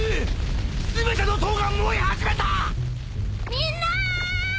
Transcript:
みんな！